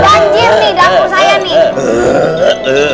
danjir nih dapur saya nih